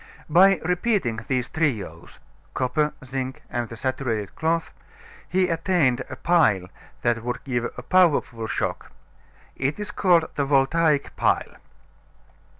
By repeating these trios copper, zinc, and the saturated cloth he attained a pile that would give a powerful shock. It is called the Voltaic Pile.